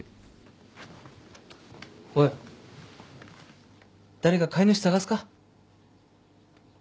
おい誰か飼い主探すか。